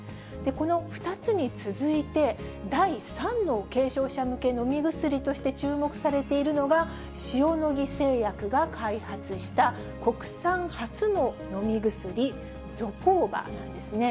この２つに続いて、第三の軽症者向けの飲み薬として注目されているのが、塩野義製薬が開発した国産初の飲み薬、ゾコーバなんですね。